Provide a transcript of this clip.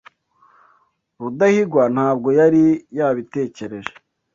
Rudahigwa ntabwo yari yabitekereje.